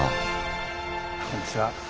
こんにちは。